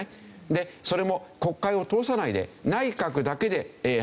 でそれも国会を通さないで内閣だけで判断してしまった。